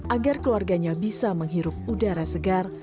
agar keluarganya bisa menghirup udara segar